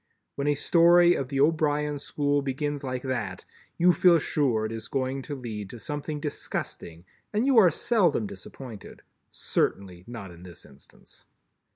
When a Story of the O'Brien school begins like that, you feel sure it is going to lead to something disgusting and you are seldom disappointed, certainly not in this instance.